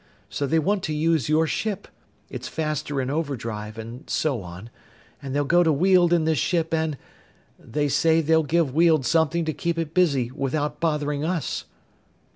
So they want to use your ship it's faster in overdrive and so on. And they'll go to Weald in this ship and they say they'll give Weald something to keep it busy without bothering us!"